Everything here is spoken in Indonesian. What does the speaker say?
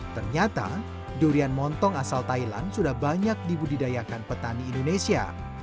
ternyata durian montong asal thailand sudah banyak dibudidayakan petani indonesia